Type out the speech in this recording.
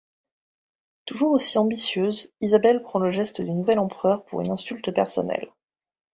Toujours aussi ambitieuse, Isabelle prend le geste du nouvel empereur pour une insulte personnelle.